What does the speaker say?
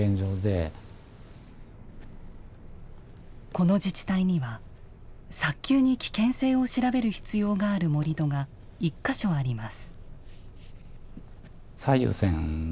この自治体には、早急に危険性を調べる必要がある盛土が１か所あります。